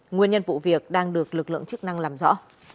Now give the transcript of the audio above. nguyên nhân vụ việc đang được lực lượng chức năng làm rõ